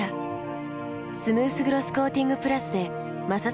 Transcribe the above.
スムースグロスコーティングプラスで摩擦ダメージも低減。